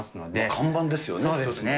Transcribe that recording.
看板ですよね。